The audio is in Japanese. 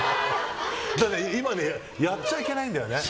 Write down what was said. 今やっちゃいけないんだよね。